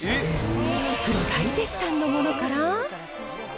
プロ大絶賛のものから。